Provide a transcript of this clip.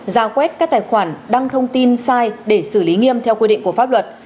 giả quét các tài khoản đăng thông tin sai để xử lý nghiêm theo quy định của pháp luật